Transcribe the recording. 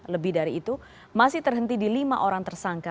lebih dari itu masih terhenti di lima orang tersangka